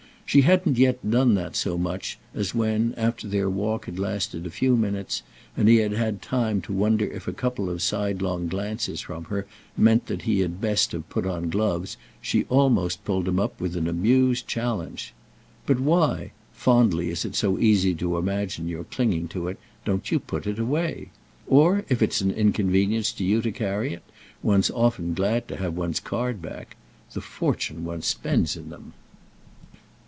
She hadn't yet done that so much as when, after their walk had lasted a few minutes and he had had time to wonder if a couple of sidelong glances from her meant that he had best have put on gloves she almost pulled him up with an amused challenge. "But why—fondly as it's so easy to imagine your clinging to it—don't you put it away? Or if it's an inconvenience to you to carry it, one's often glad to have one's card back. The fortune one spends in them!"